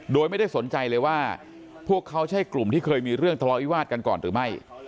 โดยไม่ได้สนใจเลยว่าพวกเขาใช่กลุ่มที่เคยมีเรื่องทะเลาวิวาสกันก่อนหรือไม่